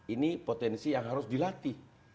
ini potensi yang harus dilatih